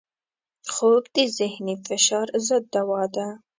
خوب د ذهني فشار ضد دوا ده